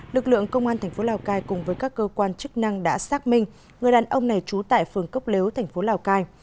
lực lượng công an tp lào cai cùng với các cơ quan chức năng đã xác minh người đàn ông này trú tại phường cốc lếu tp lào cai